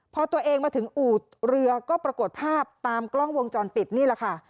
พอตัวเองมาถึงอู่เรือก็ปรากฏภาพตามกล้องวงจรปิดนี่แหละค่ะ